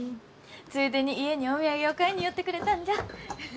ついでに家にお土産を買いに寄ってくれたんじゃ。